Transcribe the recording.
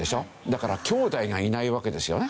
だからきょうだいがいないわけですよね。